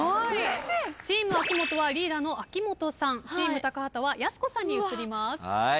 チーム秋元はリーダーの秋元さんチーム高畑はやす子さんに移ります。